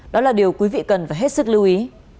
đó là điều quý vị cần phải hết sức lưu ý